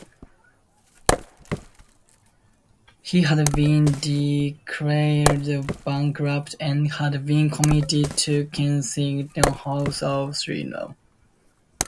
He had been declared bankrupt and had been committed to Kensington House Asylum.